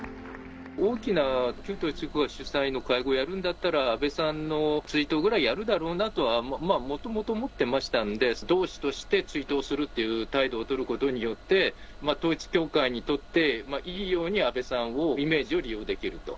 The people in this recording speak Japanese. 大きな旧統一教会主催の会合をやるんだったら、安倍さんの追悼ぐらいやるだろうなとは、もともと思ってましたんで、同志として追悼するという態度を取ることによって、統一教会にとっていいように安倍さんを、イメージを利用できると。